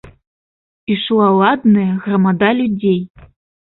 Ішла ладная грамада людзей.